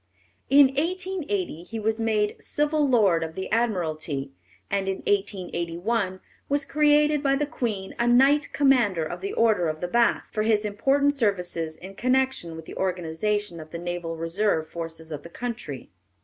In 1880 he was made Civil Lord of the Admiralty, and in 1881 was created by the Queen a Knight Commander of the Order of the Bath, for his important services in connection with the organization of the Naval Reserve forces of the country.